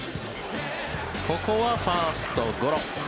ここはファーストゴロ。